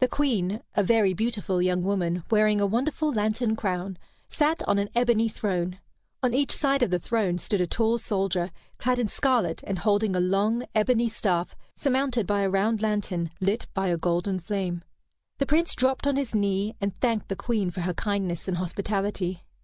The Queen, a very beautiful young woman, wearing a wonderful lantern crown, sat on an ebony throne. On each side of the throne stood a tall soldier, clad in scarlet and holding a long ebony staff surmounted by a round lantern lit by a golden flame. The Prince dropped on his knee, and thanked the Queen for her kindness and hospitality.